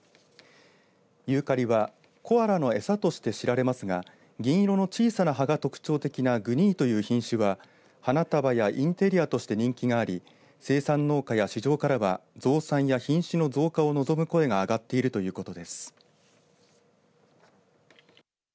ユーカリはコアラの餌として知られますが銀色の小さな葉が特徴的なグニーという品種は花束やインテリアとして人気があり生産農家や市場からは増産や品種の増加を望む声が上がっているということです。